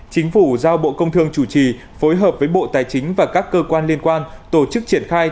chính phủ giao bộ công thương chủ trì phối hợp với bộ tài chính và các cơ quan liên quan tổ chức triển khai